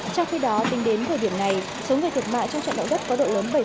trong khi đó tính đến thời điểm này số người thiệt mạng trong trận động đất có độ lớn bảy mươi